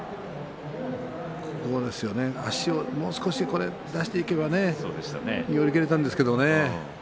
足をもう少し出していけば寄り切れたんですけれどもね。